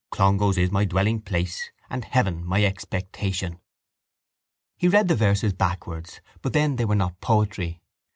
Clongowes is my dwellingplace And heaven my expectation. He read the verses backwards but then they were not poetry.